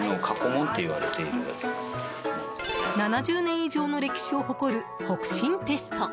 ７０年以上の歴史を誇る北辰テスト。